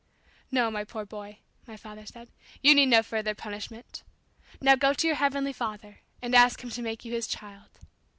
"No, my poor boy," my father said; "you need no further punishment. Now go to your heavenly Father and ask Him to make you His child."